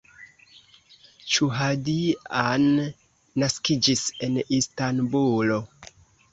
Ĉuhadjian naskiĝis en Istanbulo.